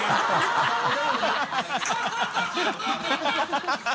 ハハハ